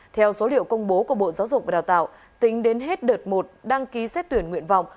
theo số liệu công bố của bộ giáo dục và đào tạo tính đến hết đợt một đăng ký xét tuyển nguyện vọng